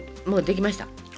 もうできました。